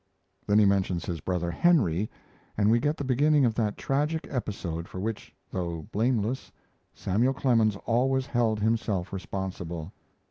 Then he mentions his brother Henry, and we get the beginning of that tragic episode for which, though blameless, Samuel Clemens always held himself responsible.